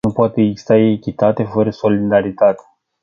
Nu poate exista echitate fără solidaritate.